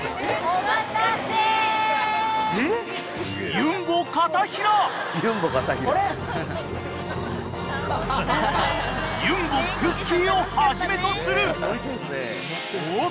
［ユンボくっきー！をはじめとする］